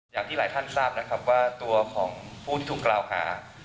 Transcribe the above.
อย่างที่หลายท่านทราบนะครับว่าตัวของผู้ที่ถูกกล่าวหา